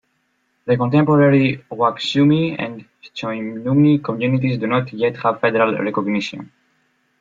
The contemporary Wukchumni and Choinumni communities do not yet have federal recognition.